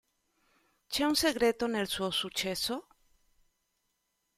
C'è un segreto nel suo successo?".